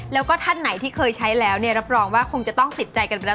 แล้วก็ท่านไหนที่เคยใช้แล้วเนี่ยรับรองว่าคงจะต้องติดใจกันไปแล้ว